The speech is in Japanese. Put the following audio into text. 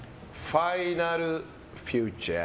ファイナルフューチャー！